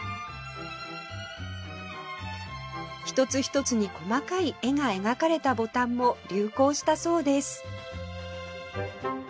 ひとつひとつに細かい絵が描かれたボタンも流行したそうです